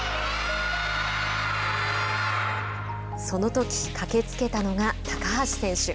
そのとき、駆けつけたのが高橋選手。